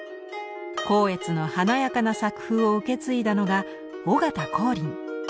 光悦の華やかな作風を受け継いだのが尾形光琳。